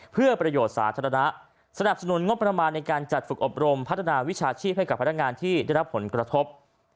เพื่อประโยชน์สาธารณะสนับสนุนงบประมาณในการจัดฝึกอบรมพัฒนาวิชาชีพให้กับพนักงานที่ได้รับผลกระทบ